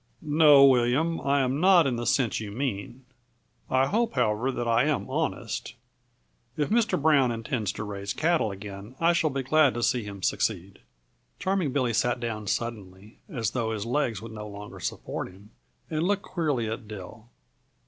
"No, William, I am not, in the sense you mean. I hope, however, that I am honest. If Mr. Brown intends to raise cattle again I shall be glad to see him succeed." Charming Billy sat down suddenly, as though his legs would no longer support him, and looked queerly at Dill.